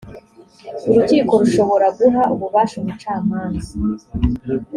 urukiko rushobora guha ububasha umucamanza.